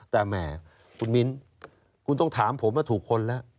แต่แหมคุณมิ้นคุณต้องถามผมว่าถูกคนแล้ว